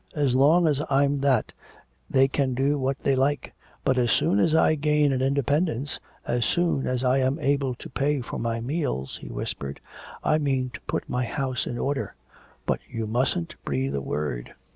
As long as I'm that, they can do what they like, but as soon as I gain an independence, as soon as I am able to pay for my meals,' he whispered, 'I mean to put my house in order But you mustn't breathe a word.'